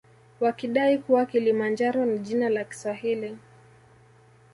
Wakidai kuwa kilimanjaro ni jina la kiswahili